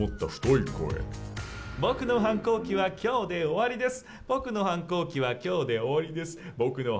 僕の反抗期はきょうで終わりです。